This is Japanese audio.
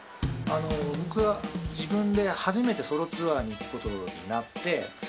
僕が自分で初めてソロツアーに行くことになって。